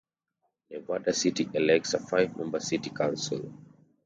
Nevada City elects a five-member City Council.